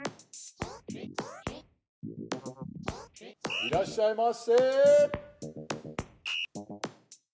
いらっしゃいませ！